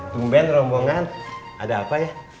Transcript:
tumben rombongan ada apa ya